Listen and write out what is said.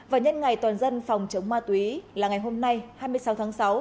và nhân ngày toàn dân phòng chống ma túy là ngày hôm nay hai mươi sáu tháng sáu